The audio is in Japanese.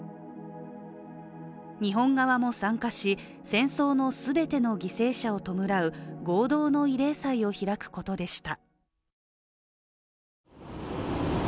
日本側も参加し、戦争の全ての犠牲者を弔う合同の慰霊祭を開くことでした。